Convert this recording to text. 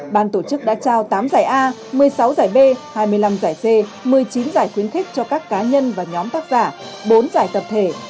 ban tổ chức đã trao tám giải a một mươi sáu giải b hai mươi năm giải c một mươi chín giải khuyến khích cho các cá nhân và nhóm tác giả bốn giải tập thể